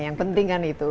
yang penting kan itu